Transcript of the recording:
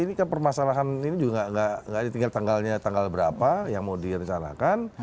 ini kan permasalahan ini juga nggak ditinggal tanggalnya tanggal berapa yang mau direncanakan